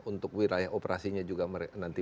untuk wilayah operasinya juga nanti